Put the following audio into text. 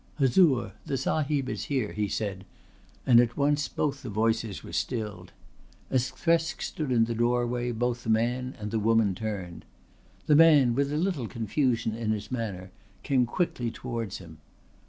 "Huzoor, the Sahib is here," he said, and at once both the voices were stilled. As Thresk stood in the doorway both the man and the woman turned. The man, with a little confusion in his manner, came quickly towards him.